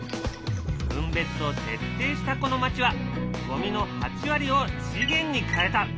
分別を徹底したこの町はゴミの８割を資源に変えた。